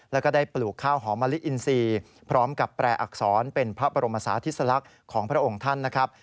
แล้วก็ได้ปลูกข้าวหอมะลิอินทรีย์พร้อมกับแปลอักษรเป็นพระบรมศาธิสลักษณ์ของพระองค์ท่านนะครับ